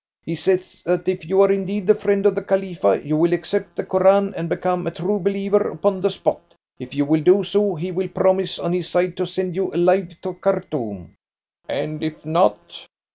He says that if you are indeed the friend of the Khalifa, you will accept the Koran and become a true believer upon the spot. If you will do so he will promise on his side to send you alive to Khartoum." "And if not?"